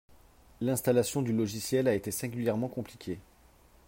L'installation du logiciel a été singulièrement compliquée